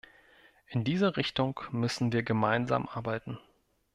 In dieser Richtung müssen wir gemeinsam arbeiten.